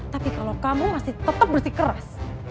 tapi kalau kamu masih tetap bersih keras